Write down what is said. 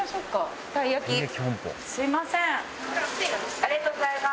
ありがとうございます。